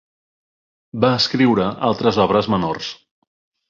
Va escriure altres obres menors.